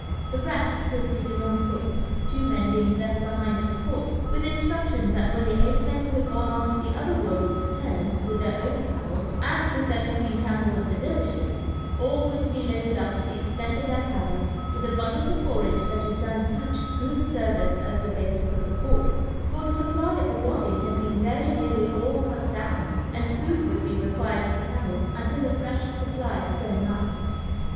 The rest proceeded on foot, two men being left behind at the fort with instructions that when the eight men who had gone on to the other wady returned with their own camels and the seventeen camels of the dervishes, all were to be loaded up to the extent of their power with the bundles of forage that had done such good service as the basis of the fort, for the supply at the wady had been very nearly all cut down, and food would be required for the camels until a fresh supply sprang up.